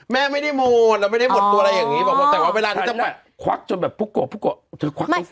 แม่ไม่ได้หมดเราไม่ได้หมดตัวอะไรอย่างนี้